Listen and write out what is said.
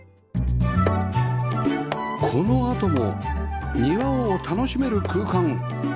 このあとも庭を楽しめる空間